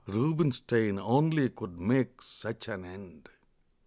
Rubinstein only could make such an end!